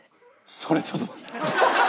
それちょっと。